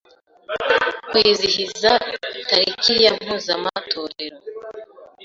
kwizihiza tariki ya mpuzamatorero